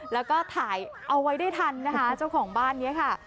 แล้วก็ถ่ายเอาไว้ได้ทันนะคะเจ้าของบ้านนี้ค่ะ